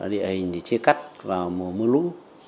địa hình thì chia cắt vào mùa lũ